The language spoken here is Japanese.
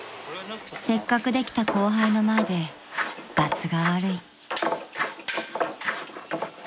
［せっかくできた後輩の前でばつが悪い］